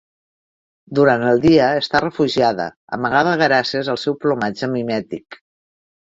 Durant el dia, està refugiada, amagada gràcies al seu plomatge mimètic.